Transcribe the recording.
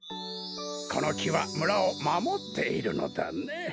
このきは村をまもっているのだね。